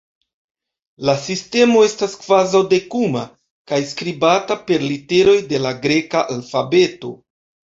La sistemo estas kvazaŭ-dekuma kaj skribata per literoj de la greka alfabeto.